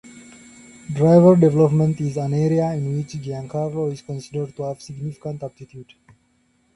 Driver development is an area in which Giancarlo is considered to have significant aptitude.